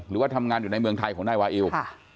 หรือว่าทำงานอยู่ในเมืองไทยของนายวาอิว